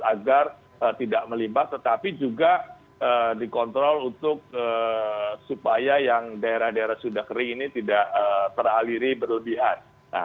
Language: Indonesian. agar tidak melibat tetapi juga dikontrol supaya yang daerah daerah sudah kering ini tidak teraliri berlebihan